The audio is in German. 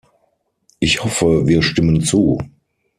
Ich hoffe, wir stimmen zu!